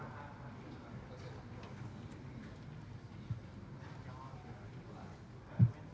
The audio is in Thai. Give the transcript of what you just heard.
สวัสดีครับ